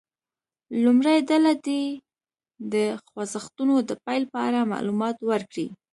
لومړۍ ډله دې د خوځښتونو د پیل په اړه معلومات ورکړي.